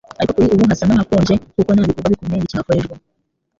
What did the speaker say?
ariko kuri ubu hasa n'ahakonje kuko nta bikorwa bikomeye bicyihakorerwa.